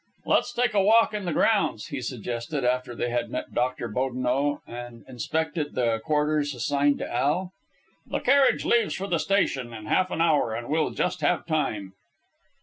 "Let us take a walk in the grounds," he suggested, after they had met Doctor Bodineau and inspected the quarters assigned to Al. "The carriage leaves for the station in half an hour, and we'll just have time."